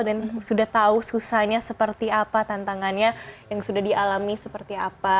dan sudah tahu susahnya seperti apa tantangannya yang sudah dialami seperti apa